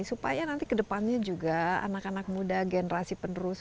supaya nanti kedepannya juga anak anak muda generasi penerus